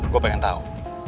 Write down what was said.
gue pengen tahu